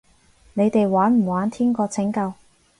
你哋玩唔玩天國拯救？